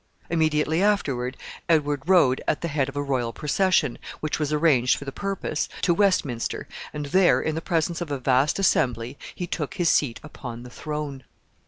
Immediately afterward, Edward rode at the head of a royal procession, which was arranged for the purpose, to Westminster, and there, in the presence of a vast assembly, he took his seat upon the throne.